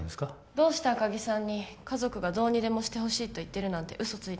どうして赤木さんに家族が「どうにでもしてほしいと言ってる」なんて嘘を？